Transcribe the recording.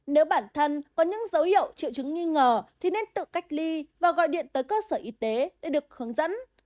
nếu bản thân có những dấu hiệu triệu chứng nghi ngờ thì nên tự cách ly và gọi điện tới cơ sở y tế để được hướng dẫn